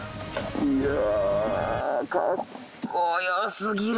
いや。